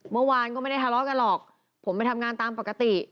เมื่อวานก็ไม่ได้ทะเลาะกันหรอกผมไปทำงานตามปกติ